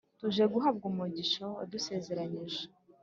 Tuje guhabwa umugisha wadusezeranyije